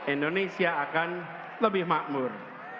indonesia akan lebih makmur